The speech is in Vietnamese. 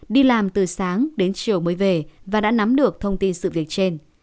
đi làm từ sáng đến chiều mới về và đã nắm được thông tin sự việc trên